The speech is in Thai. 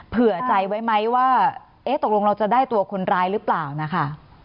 เผื่อใจไว้ไหมว่าเอ๊ะตกลงเราจะได้ตัวคนร้ายหรือเปล่านะคะ